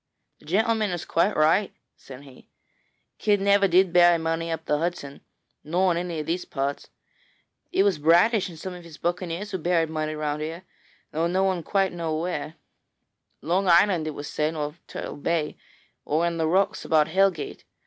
'The gentleman is quite right,' said he; 'Kidd never did bury money up the Hudson, nor in any of these parts. It was Bradish and some of his buccaneers who buried money round here, though no one quite knew where: Long Island, it was said, or Turtle Bay, or in the rocks about Hellgate.